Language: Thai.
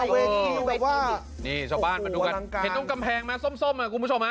เวทีแบบว่านี่ช่องบ้านมาดูกันเห็นตรงกำแพงมั้ยส้มคุณผู้ชม